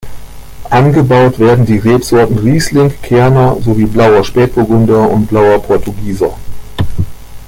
Angebaut werden die Rebsorten Riesling, Kerner sowie blauer Spätburgunder und Blauer Portugieser.